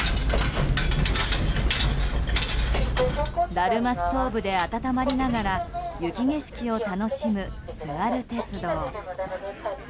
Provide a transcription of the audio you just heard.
ダルマストーブで温まりながら雪景色を楽しむ津軽鉄道。